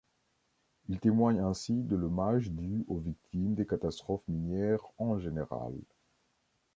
Ils témoignent ainsi de l'hommage due aux victimes des catastrophes minières en général.